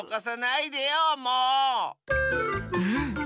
うん。